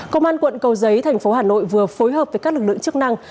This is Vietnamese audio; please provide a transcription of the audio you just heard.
công an quận cầu giấy thành phố hà nội vừa phối hợp với các lực lượng chức năng